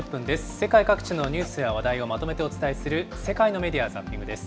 世界各地のニュースや話題をまとめてお伝えする、世界のメディア・ザッピングです。